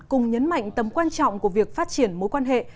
cùng nhấn mạnh tầm quan trọng của việc phát triển mối quan hệ